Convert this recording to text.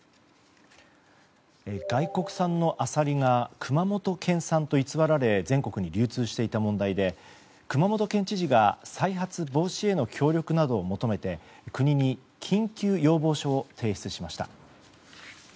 外国産のアサリが熊本県産と偽られ全国に流通していた問題で熊本県知事が再発防止への協力などを求めて国に緊急要望書を提出しました。